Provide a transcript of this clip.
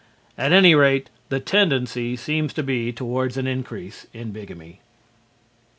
At any rate, the tendency seems to be toward an increase in bigamy.